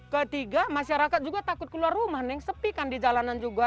ketiga masyarakat juga takut keluar rumah nih sepi kan di jalanan juga